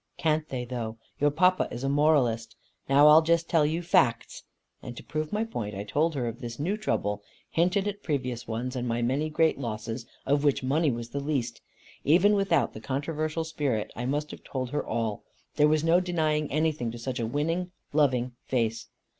"Can't they though? Your papa is a moralist. Now I'll just tell you facts." And to prove my point, I told her of this new trouble, hinted at previous ones and my many great losses, of which money was the least. Even without the controversial spirit, I must have told her all. There was no denying anything to such a winning loving face.